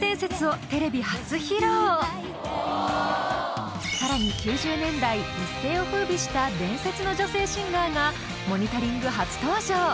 ムーン歌手がさらに９０年代一世を風靡した伝説の女性シンガーが「モニタリング」初登場！